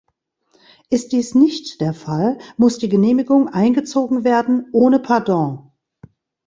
Ist dies nicht der Fall, muss die Genehmigung eingezogen werden, ohne Pardon.